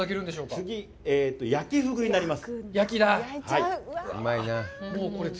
次、焼きフグになります。